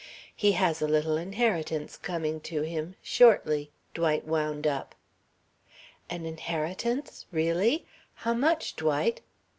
"He has a little inheritance coming to him shortly," Dwight wound up. "An inheritance really? How much, Dwight?"